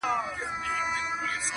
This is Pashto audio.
بابا مه گوره، خورجين ئې گوره.